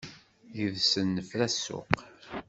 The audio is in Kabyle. Yid-sen nefra ssuq.